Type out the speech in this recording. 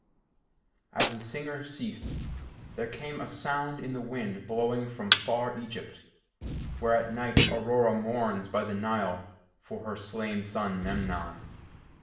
As the singer ceased, there came a sound in the wind blowing from far Egypt, where at night Aurora mourns by the Nile for her slain son Memnon.